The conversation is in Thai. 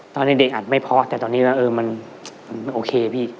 ตอนเด็กอาจไม่พอแต่ตอนนี้มันโอเคพี่